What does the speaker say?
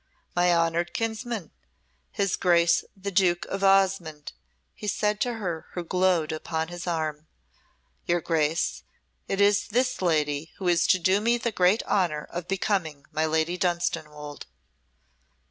"My honoured kinsman, his Grace the Duke of Osmonde," he said to her who glowed upon his arm. "Your Grace, it is this lady who is to do me the great honour of becoming my Lady Dunstanwolde."